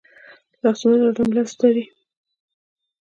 لاسونه نرم لمس لري